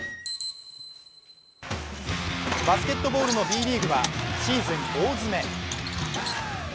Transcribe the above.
バスケットボールのＢリーグはシーズン大詰め。